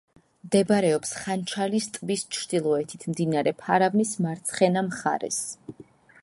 მდებარეობს ხანჩალის ტბის ჩრდილოეთით, მდინარე ფარავნის მარცხენა მხარეს.